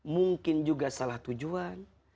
mungkin juga salah tujuan